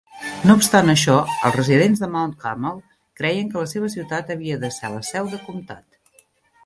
No obstant això, els residents de Mount Carmel creien que la seva ciutat havia de ser la seu de comtat.